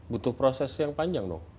butuh proses yang panjang dok